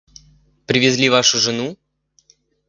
Привезли вашу жену?